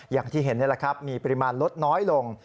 อย่างที่เห็นนี่แหละครับมีปริมาณลดน้อยลง